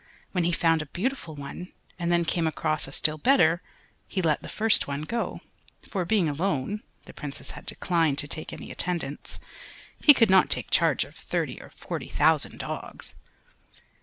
When he found a beautiful one and then came across a still better, he let the first one go, for being alone the Princes had declined to take any attendants he could not take charge of thirty or forty thousand dogs.